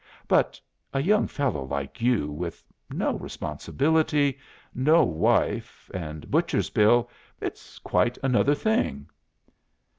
But a young fellow like you with no responsibility, no wife, and butcher's bill it's quite another thing!